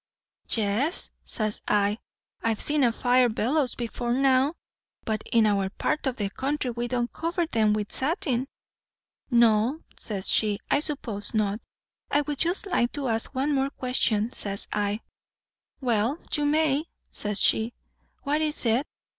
'Yes,' says I; 'I've seen a fire bellows before now; but in our part o' the country we don't cover 'em with satin.' 'No,' says she, 'I suppose not.' 'I would just like to ask one more question,' says I. 'Well, you may,' says she; 'what is it?'